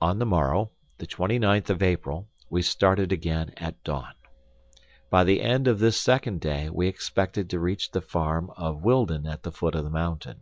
On the morrow, the twenty ninth of April, we started again at dawn. By the end of this second day, we expected to reach the farm of Wildon at the foot of the mountain.